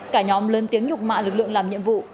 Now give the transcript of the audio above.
cả nhóm lớn lên tiếng nhục mạ lực lượng làm nhiệm vụ